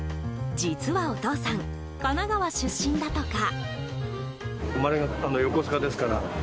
実は、お父さん神奈川出身だとか。